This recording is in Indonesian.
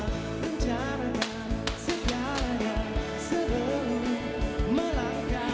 rencanakan segalanya sebelum melangkah